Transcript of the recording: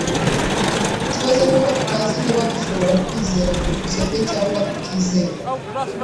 Ikibazo nuko tutazi niba dushobora kwizera byukusenge cyangwa tutizera.